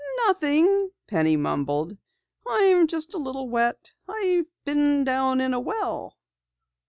"Nothing," Penny mumbled. "I'm just a little wet. I've been down in a well."